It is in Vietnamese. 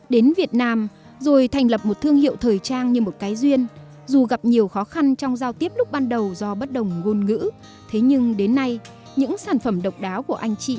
đến việt nam rồi thành lập một thương hiệu thời trang như một cái duyên dù gặp nhiều khó khăn trong giao tiếp lúc ban đầu do bất đồng ngôn ngữ